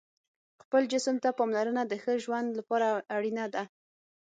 خپل جسم ته پاملرنه د ښه ژوند لپاره اړینه ده.